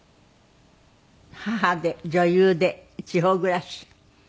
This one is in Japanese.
母で女優で地方暮らし。